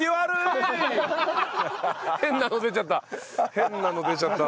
変なの出ちゃった。